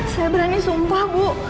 saya berani sumpah bu